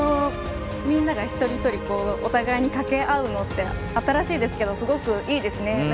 みんなが一人一人お互いにかけ合うのって新しいですけどすごく、いいですね。